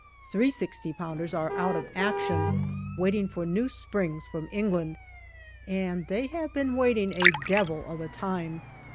Three 6o pounders are out of action, waiting for new springs from England, and they have been waiting a devil of a time.